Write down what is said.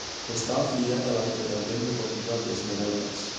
Está afiliada a la "Federación Deportiva de Esmeraldas".